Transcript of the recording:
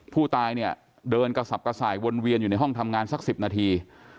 ผู้ตายเนี่ยเดินกระสับกระส่ายวนเวียนอยู่ในห้องทำงานสัก๑๐นาที